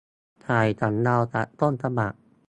ถ่ายสำเนาจากต้นฉบับ